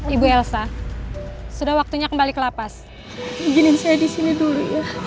ibu elsa sudah waktunya kembali ke lapas begini saya disini dulu ya